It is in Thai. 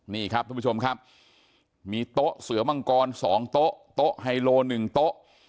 นี่ครับทุกผู้ชมครับมีโต๊ะเสือมังกร๒โต๊ะโต๊ะไฮโล๑โต๊ะ